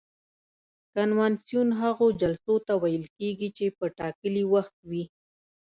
کنوانسیون هغو جلسو ته ویل کیږي چې په ټاکلي وخت وي.